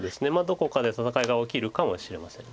どこかで戦いが起きるかもしれません。